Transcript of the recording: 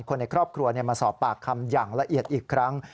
คนในครอบครัวมาสอบปากคำอย่างละเอียดอีกครั้ง